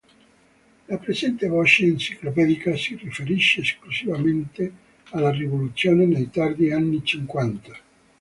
La presente voce enciclopedica si riferisce esclusivamente alla rivoluzione nei tardi anni cinquanta.